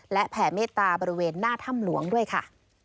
และแผ่เมตตาบริเวณหน้าถ้ำหลวงด้วยค่ะ